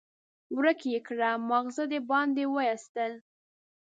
ورک يې کړه؛ ماغزه دې باندې واېستل.